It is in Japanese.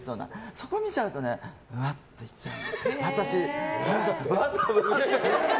そこ見ちゃうとうわってなっちゃう。